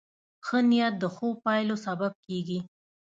ښه نیت د ښو پایلو سبب کېږي.